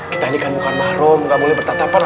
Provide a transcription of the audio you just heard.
kita ini kan bukan mahrum gak boleh bertatapan